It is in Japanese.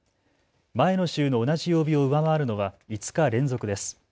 前の週の同じ曜日を上回るのは５日連続です。